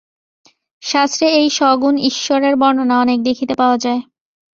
শাস্ত্রে এই সগুণ ঈশ্বরের বর্ণনা অনেক দেখিতে পাওয়া যায়।